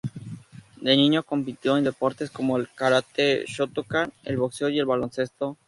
De niño, compitió en deportes como el karate shotokan, el boxeo y el baloncesto.